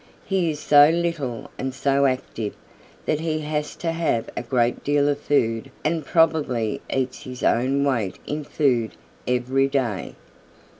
He is so little and so active that he has to have a great deal of food and probably eats his own weight in food every day.